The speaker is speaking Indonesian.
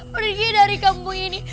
pergi dari kampung ini